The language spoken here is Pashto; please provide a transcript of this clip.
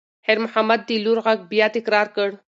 خیر محمد د لور غږ بیا تکرار کړ.